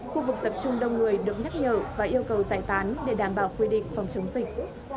khu vực tập trung đông người được nhắc nhở và yêu cầu giải tán để đảm bảo quy định phòng chống dịch